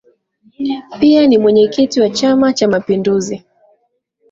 Pia ni Mwenyekiti wa Chama Cha Mapinduzi